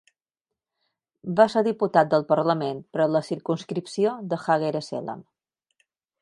Va ser diputat del Parlament per a la circumscripció de Hagere-Selam.